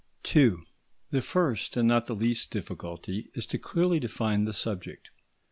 § 2 The first, and not the least difficulty, is to clearly define the subject.